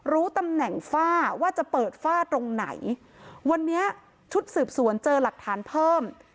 รู้ตำแหน่งฝ้าว่าจะเปิดฝ้าตรงไหนวันนี้ชุดสืบสวนเจอหลักฐานเพิ่ม